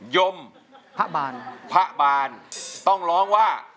ยมพะบานต้องร้องว่า